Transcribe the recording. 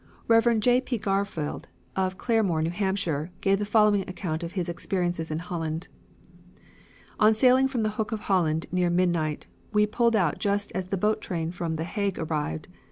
Rev. J. P. Garfield, of Claremore, N. H., gave the following account of his experiences in Holland: "On sailing from the Hook of Holland near midnight we pulled out just as the boat train from The Hague arrived.